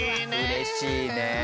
うれしいね。